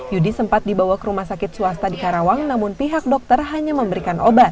yudi sempat dibawa ke rumah sakit swasta di karawang namun pihak dokter hanya memberikan obat